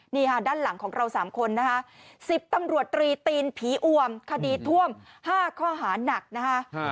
นี่ค่ะด้านหลังของเรา๓คนนะคะ๑๐ตำรวจตรีตีนผีอวมคดีท่วม๕ข้อหานักนะคะ